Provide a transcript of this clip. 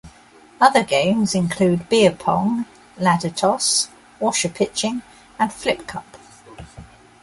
Other games include beer pong, ladder toss, washer pitching and flipcup.